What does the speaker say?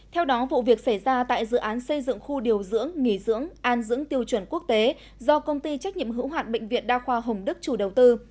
theo đó vụ việc xảy ra tại dự án xây dựng khu điều dưỡng nghỉ dưỡng an dưỡng tiêu chuẩn quốc tế do công ty trách nhiệm hữu hoạn bệnh viện đa khoa hồng đức chủ đầu tư